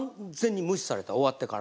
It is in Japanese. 終わってから。